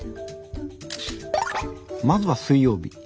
まずは水曜日。